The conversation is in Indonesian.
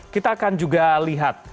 kita akan juga lihat